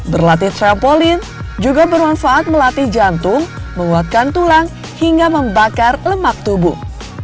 berlatih trampolin juga bermanfaat melatih jantung menguatkan tulang hingga membakar lemak tubuh